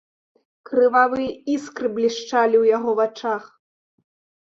Крывавыя іскры блішчалі ў яго вачах.